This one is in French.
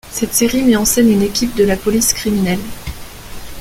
Cette série met en scène une équipe de la police criminelle.